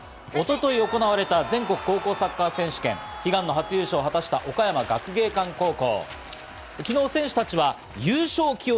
一昨日行われた全国高校サッカー選手権、悲願の初優勝を果たした岡山学芸館高校。